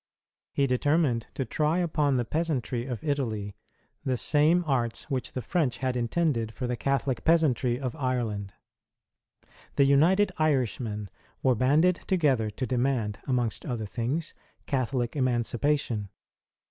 He determined to try upon the peasantry of Italy the same arts which the French had intended for the Catholic peasantry of Ireland. The United Irishmen were banded together to demand, amongst other things, Catholic Emancipation.